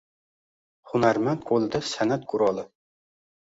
Hunarmand qo’lida san’at quroli.